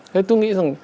thế tôi nghĩ rằng